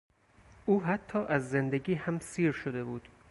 او حتی از زندگی هم سیر شده بود.